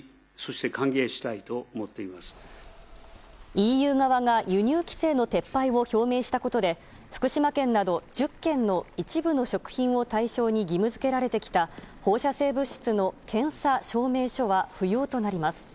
ＥＵ側が輸入規制の撤廃を表明したことで福島県など１０県の一部の食品を対象に義務付けられてきた放射性物質の検査証明書は不要となります。